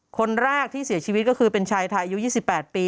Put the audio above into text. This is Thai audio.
คนแรกที่เสียชีวิตก็คือเป็นชายไทยอายุ๒๘ปี